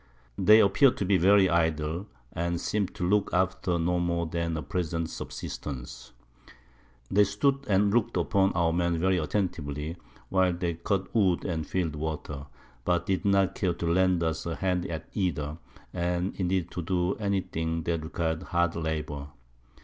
They appear'd to be very idle, and seem to look after no more than a present Subsistance. They stood and look'd upon our Men very attentively, while they cut Wood and fill'd Water; but did not care to lend us a Hand at either, or indeed to do any thing that requir'd hard Labour.